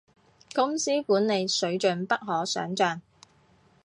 公司管理，水準不可想像